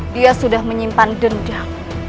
dia sudah menyimpan dendam